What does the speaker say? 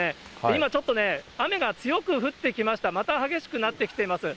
今ちょっとね、雨が強く降ってきました、また激しくなってきています。